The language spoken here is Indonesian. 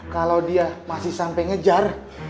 kalo dia masih sampe ngejar